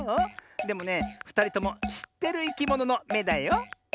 でもねふたりともしってるいきもののめだよ。